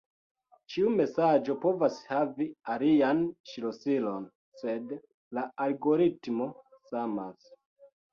Ĉiu mesaĝo povas havi alian ŝlosilon, sed la algoritmo samas.